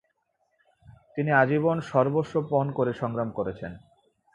তিনি আজীবন সর্বস্ব পণ করে সংগ্রাম করেছেন।